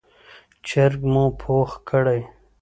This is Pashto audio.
چرګ مو پوخ کړی،